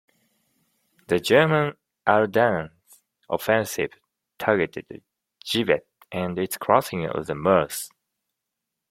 The German Ardennes Offensive targeted Givet and its crossing of the Meuse.